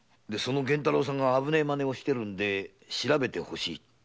源太郎さんが危ないまねをしてるので調べてほしいってわけで？